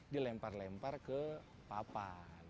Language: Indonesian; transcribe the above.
dilempar lempar ke papan